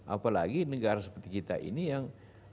apalagi negara seperti kita ini yang